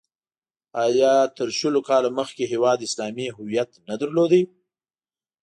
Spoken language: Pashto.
آیا تر شلو کالو مخکې هېواد اسلامي هویت نه درلود؟